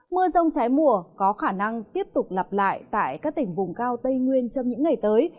mưa rông trái mùa có khả năng tiếp tục lặp lại tại các tỉnh vùng cao tây nguyên trong những ngày tới